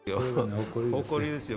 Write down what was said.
誇りですよ。